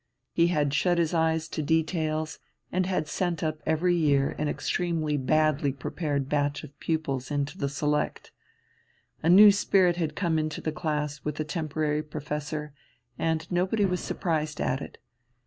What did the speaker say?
He had shut his eyes to details and had sent up every year an extremely badly prepared batch of pupils into the Select. A new spirit had come into the class with the temporary professor, and nobody was surprised at it.